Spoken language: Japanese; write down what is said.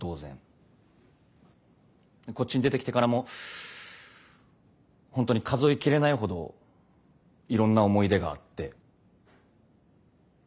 こっちに出てきてからも本当に数え切れないほどいろんな思い出があって。